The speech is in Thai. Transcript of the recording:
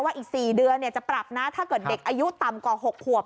อีก๔เดือนจะปรับนะถ้าเกิดเด็กอายุต่ำกว่า๖ขวบ